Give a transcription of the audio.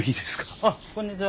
あっこんにちは。